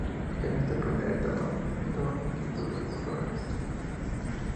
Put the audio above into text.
Ya en esta primera etapa manifestó inquietudes culturales.